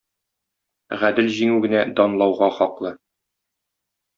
Гадел җиңү генә данлауга хаклы.